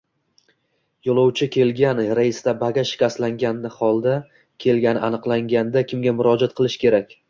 Yo‘lovchi kelgan reysda bagaj shikastlangan holda kelgani aniqlanganda, kimga murojaat qilish kerak?